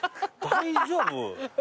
大丈夫？